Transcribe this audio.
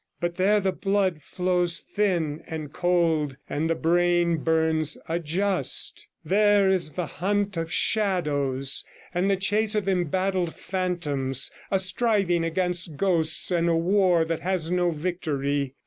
But there the blood flows thin and cold, and the brain burns adust; there is the hunt of shadows, and the chase of embattled phantoms; a striving against ghosts, and a war that has no victory.